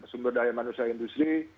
sumber daya manusia industri